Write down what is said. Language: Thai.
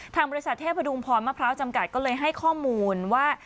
ทางบริษัทเทพดุงพรมะพร้าวจำกัดก็เลยให้ข้อมูลว่า